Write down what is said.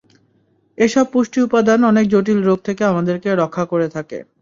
এসব পুষ্টি উপাদান অনেক জটিল রোগ থেকে আমাদেরকে রক্ষা করে থাকে।